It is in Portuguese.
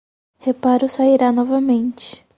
Reparo sairá novamente